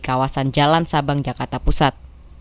kawasan jalan sabang jakarta pusat